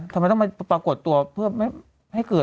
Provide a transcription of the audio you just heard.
ทำไมต้องมาปรากฏตัวเพื่อไม่ให้เกิด